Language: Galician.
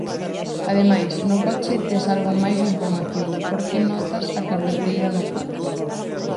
Ademais, no coche tes algo máis de información, porque notas a carreteira no cu.